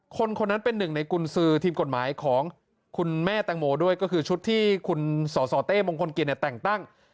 คนคนนั้นเป็นหนึ่งในกุญสือทีมกฎหมายของคุณแม่แตงโมด้วยก็คือชุดที่คุณสสเต้มงคลกิจเนี่ยแต่งตั้ง